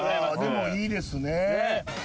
でもいいですね。